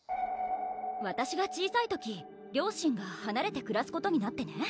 わたしが小さい時両親がはなれてくらすことになってね